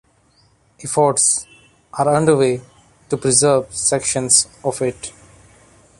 Efforts are underway to preserve sections of it.